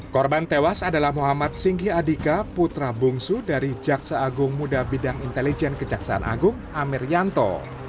korban tewas adalah muhammad singgi adika putra bungsu dari jaksa agung muda bidang intelijen kejaksaan agung amir yanto